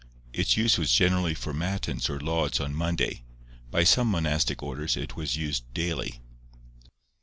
Its use was generally for Matins or Lauds on Monday; by some monastic orders it was used daily.